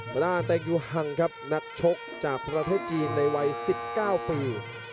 ทางด้านเต็งยูฮังครับนักชกจากประเทศจีนในวัย๑๙ปี